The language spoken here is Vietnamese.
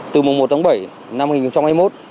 từ mùng một tháng bảy năm một nghìn chín trăm hai mươi một